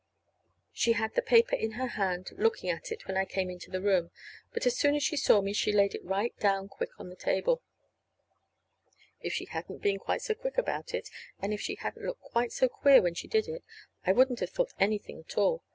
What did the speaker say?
She had the paper in her hand, looking at it, when I came into the room; but as soon as she saw me she laid it right down quick on the table. If she hadn't been quite so quick about it, and if she hadn't looked quite so queer when she did it, I wouldn't have thought anything at all.